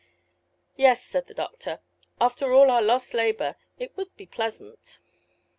"Yes," said the doctor; "after all our lost labour it would be pleasant."